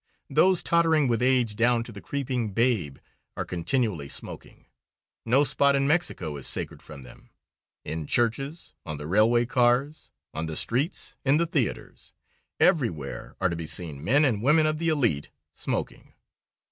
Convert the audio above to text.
Those tottering with age down to the creeping babe are continually smoking. No spot in Mexico is sacred from them; in churches, on the railway cars, on the streets, in the theaters everywhere are to be seen men and women of the elite smoking.